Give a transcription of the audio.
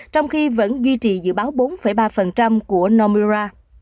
trong khi vẫn duy trì dự báo bốn ba của nomira